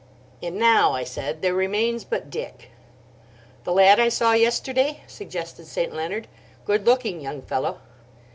"And now," I said, "there remains but Dick." "The lad I saw yesterday?" suggested St. Leonard. "Good looking young fellow."